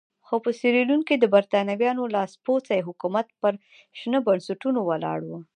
خو په سیریلیون کې د برېټانویانو لاسپوڅی حکومت پر شته بنسټونو ولاړ وو.